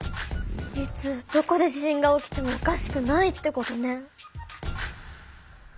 いつどこで地震が起きてもおかしくないってことね。